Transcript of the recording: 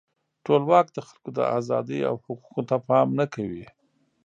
ټولواک د خلکو د آزادۍ او حقوقو ته پام نه کوي.